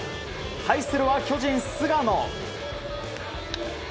対するは巨人、菅野。